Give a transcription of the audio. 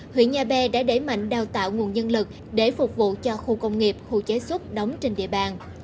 huyện nhà bè đã đẩy mạnh đào tạo nguồn nhân lực để phục vụ cho khu công nghiệp khu chế xuất đóng trên địa bàn